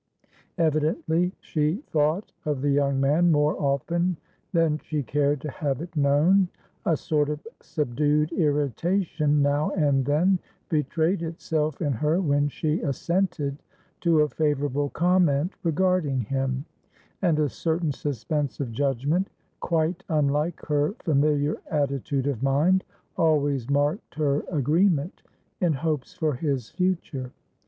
Evidently she thought of the young man more often than she cared to have it known; a sort of subdued irritation now and then betrayed itself in her when she assented to a favourable comment regarding him, and a certain suspense of judgmentquite unlike her familiar attitude of mindalways marked her agreement in hopes for his future.